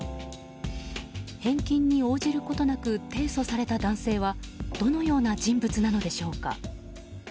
返金に応じることなく提訴された男性はどのような人物なのでしょうか。